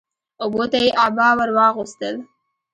اوبو ته يې عبا ور واغوستل